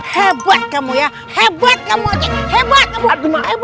hebat kamu ya hebat caroline hebat kamut abu abu